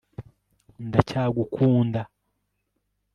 ndacyagukunda